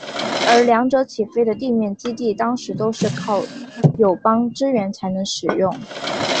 而两者起飞的地面基地当时都是靠友邦支援才能使用。